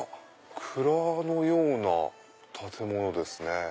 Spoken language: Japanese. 蔵のような建物ですね。